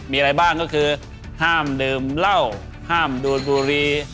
มีอะไรบ้างก็คือห้ามดื่มเหล้าห้ามดูดบุรี